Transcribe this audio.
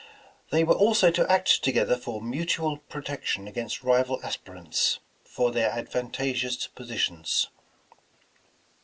They were also to act together for mutual protection against rival as pirants for their advantageous positions.